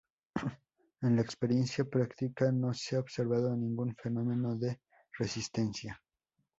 En la experiencia práctica no se ha observado ningún fenómeno de resistencia.